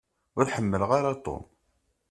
Ur ḥemmleɣ ara Tom.